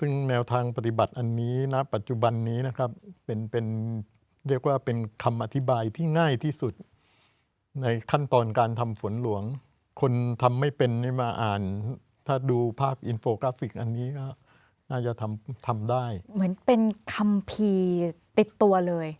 ซึ่งแนวทางปฏิบัติอันนี้ณปัจจุบันนี้นะครับเป็นเป็นเรียกว่าเป็นคำอธิบายที่ง่ายที่สุดในขั้นตอนการทำฝนหลวงคนทำไม่เป็นนี่มาอ่านถ้าดูภาพอินโฟกราฟิกอันนี้ก็น่าจะทำทำได้เหมือนเป็นคัมภีร์ติดตัวเลย